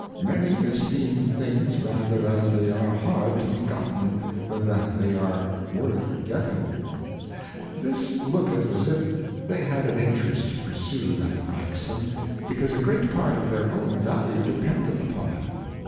Many esteem things rather as they are hard to be gotten, than that they are worth getting : This looketh as if they had an Interest to B E HA no UR, ^c. 27 to pursue that Maxim, because a great part of their own value dependeth upon it.